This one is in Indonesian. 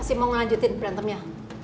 masih mau ngelanjutin perantemnya